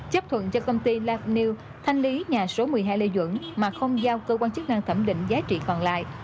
chấp thuận cho công ty lifealth thanh lý nhà số một mươi hai lê duẩn mà không giao cơ quan chức năng thẩm định giá trị còn lại